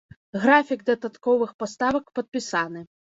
Графік дадатковых паставак падпісаны.